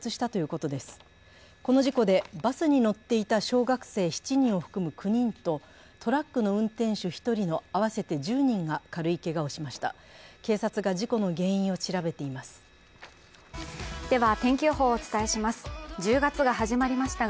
この事故でバスに乗っていた小学生７人を含む９人とトラックの運転手１人の合わせて１０人が軽いけがをしました。